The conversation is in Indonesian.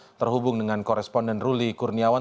kita terhubung dengan koresponden ruli kurniawan